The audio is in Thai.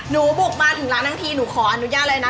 บุกมาถึงร้านทั้งทีหนูขออนุญาตเลยนะ